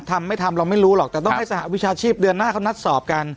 ทำไม่ทำเราไม่รู้หรอกแต่ต้องให้สหวิชาชีพเดือนหน้าเขานัดสอบกัน